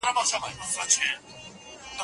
هغه د زردالو د باغ پر پوله د ستړیا له امله کېناست.